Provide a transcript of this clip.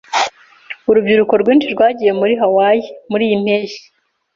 Urubyiruko rwinshi rwagiye muri Hawaii muriyi mpeshyi.